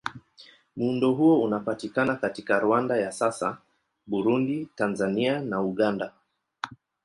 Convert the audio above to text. Muundo huo unapatikana katika Rwanda ya sasa, Burundi, Tanzania na Uganda.